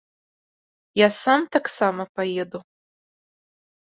Я сам таксама паеду.